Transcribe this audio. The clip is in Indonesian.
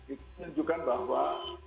ini menunjukkan bahwa